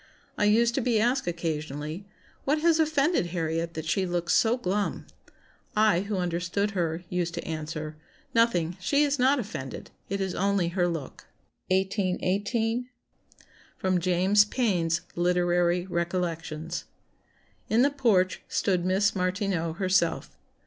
I used to be asked occasionally, 'What has offended Harriet that she looks so glum?' I, who understood her, used to answer, 'Nothing; she is not offended, it is only her look,'" 1818. [Sidenote: James Payn's Literary Recollections.] "In the porch stood Miss Martineau herself.